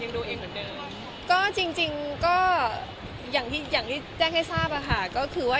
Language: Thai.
เรื่องชุดหรือว่าเรายังดูเองเหมือนเดิม